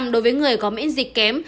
sáu mươi bảy đối với người có miễn dịch kém